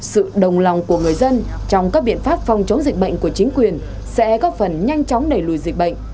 sự đồng lòng của người dân trong các biện pháp phòng chống dịch bệnh của chính quyền sẽ góp phần nhanh chóng đẩy lùi dịch bệnh